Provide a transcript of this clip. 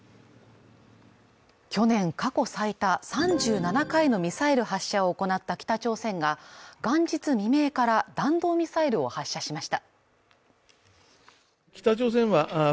去年、過去最多３７回のミサイル発射を行った北朝鮮が元日未明から弾道ミサイルを発射しました。